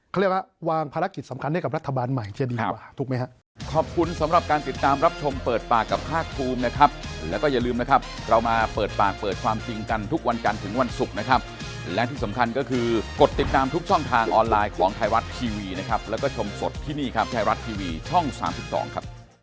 เขาเรียกว่าวางภารกิจสำคัญให้กับรัฐบาลใหม่จะดีกว่าถูกไหมครับ